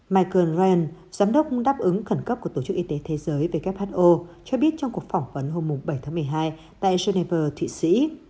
michael drean giám đốc đáp ứng khẩn cấp của tổ chức y tế thế giới who cho biết trong cuộc phỏng vấn hôm bảy tháng một mươi hai tại geneva thụy sĩ